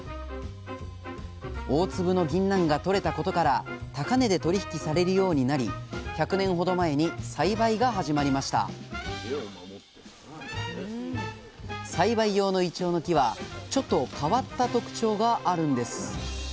大粒のぎんなんがとれたことから高値で取り引きされるようになり１００年ほど前に栽培が始まりました栽培用のイチョウの木はちょっと変わった特徴があるんです。